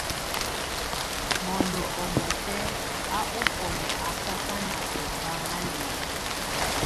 Mondo ɔmɔtɛ́ a ofɔnɔ akakán ombáŋ a lia.